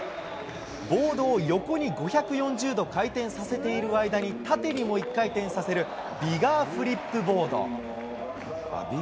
ボードを横に５４０度回転させている間に、縦にも１回転させるビガーフリップボード。